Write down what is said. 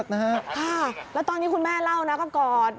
ค่ะแล้วตอนนี้คุณแม่เล่านะก็กอด